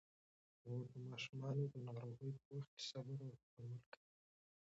مور د ماشومانو د ناروغۍ په وخت کې صبر او تحمل کوي.